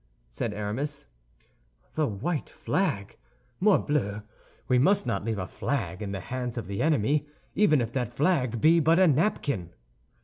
said Aramis. "The white flag, morbleu! We must not leave a flag in the hands of the enemy, even if that flag be but a napkin."